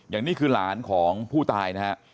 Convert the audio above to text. อย่างนี้คือหลานของผู้ตายนะฮะ